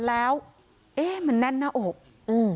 เป็นพระรูปนี้เหมือนเคี้ยวเหมือนกำลังทำปากขมิบท่องกระถาอะไรสักอย่าง